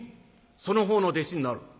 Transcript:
その方の弟子になる」。